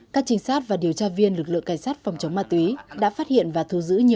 các trinh sát và điều tra viên lực lượng cảnh sát phát hiện